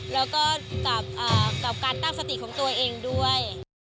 แล้วก็กับการตั้งสติของตัวเองด้วย